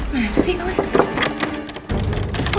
masa sih masa